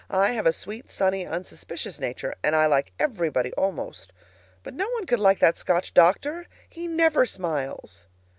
I have a sweet, sunny, unsuspicious nature, and I like everybody, almost. But no one could like that Scotch doctor. He NEVER smiles.